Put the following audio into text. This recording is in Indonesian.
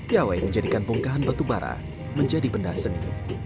piawai menjadikan bongkahan batubara menjadi benda seni